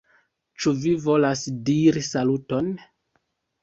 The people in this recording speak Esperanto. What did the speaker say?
Ĉu vi volas diri saluton?